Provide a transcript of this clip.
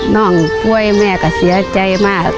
น้องกล้วยแม่ก็เสียใจมาก